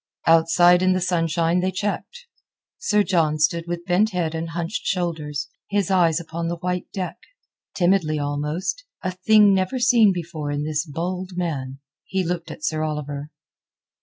Outside in the sunshine they checked. Sir John stood with bent head and hunched shoulders, his eyes upon the white deck. Timidly almost—a thing never seen before in this bold man—he looked at Sir Oliver.